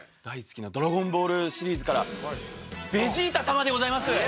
大好きな『ドラゴンボール』シリーズからベジータ様でございます！